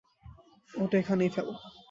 ওটা এখানেই ফেল।